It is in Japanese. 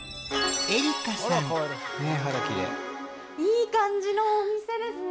いい感じのお店ですね。